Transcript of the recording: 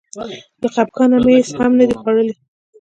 له خپګانه مې هېڅ هم نه دي خوړلي.